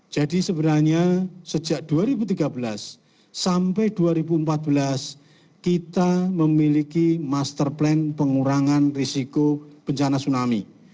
jadi sebenarnya sejak dua ribu tiga belas sampai dua ribu empat belas kita memiliki master plan pengurangan risiko bencana tsunami